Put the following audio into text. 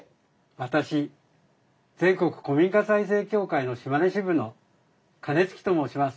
私全国古民家再生協会の島根支部の金築と申します。